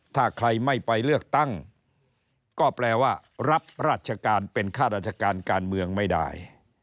ถ้าใครไม่ไปเลือกตั้งก็แปลว่ารับราชการเป็นข้าราชการการเมืองไม่ได้